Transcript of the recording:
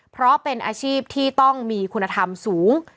เพราะเป็นอาชีพที่ต้องมีคุณธรรมสูง